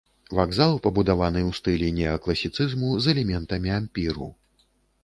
Вакзал пабудаваны ў стылі неакласіцызму з элементамі ампіру.